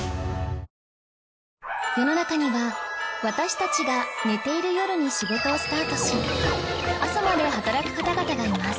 世の中には私たちが寝ている夜に仕事をスタートし朝まで働く方々がいます